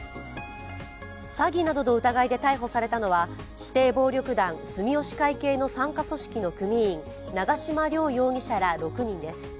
詐欺などの疑いで逮捕されたのは指定暴力団住吉会系の傘下組織の組員長島亨容疑者ら６人です。